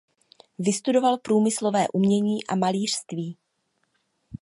Vystudoval průmyslové umění a malířství.